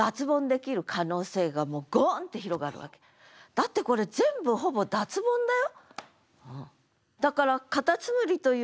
だってこれ全部ほぼ脱ボンだよ？